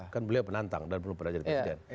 kan beliau penantang dan belum pernah jadi presiden